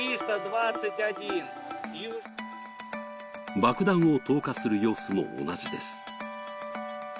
爆弾を投下する様子も同じです。